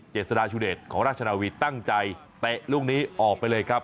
เจษฎาชูเดชของราชนาวีตั้งใจเตะลูกนี้ออกไปเลยครับ